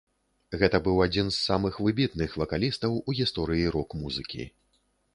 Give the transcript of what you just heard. Гэта быў адзін з самых выбітных вакалістаў у гісторыі рок-музыкі.